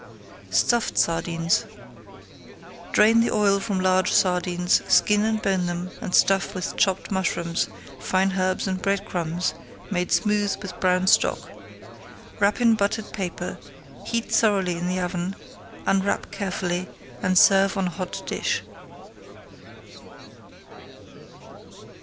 STUFFED SARDINES Drain the oil from large sardines, skin and bone them, and stuff with chopped mushrooms, fine herbs, and bread crumbs made smooth with brown stock. Wrap in buttered paper, heat thoroughly in the oven, unwrap carefully, and serve on a hot dish.